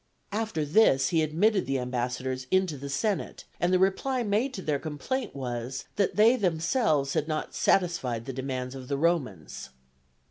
After this he admitted the ambassadors into the senate, and the reply made to their complaint was, that they themselves had not satisfied the demands of the Romans.